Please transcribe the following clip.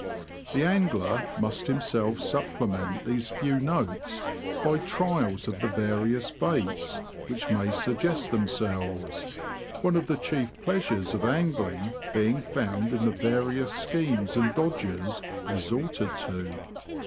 The angler must himself supplement these few notes by trials of the various baits which may suggest them selves, one of the chief pleasures of angling being found in the various schemes and dodges resorted to.